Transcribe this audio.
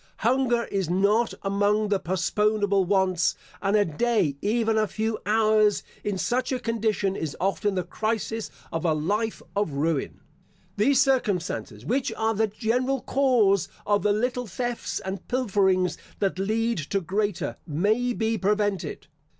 Hunger is not among the postponable wants, and a day, even a few hours, in such a condition is often the crisis of a life of ruin. These circumstances which are the general cause of the little thefts and pilferings that lead to greater, may be prevented.